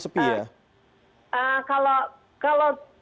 sepi ya kalau